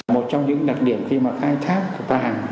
một trong những đặc điểm khi mà khai thác vàng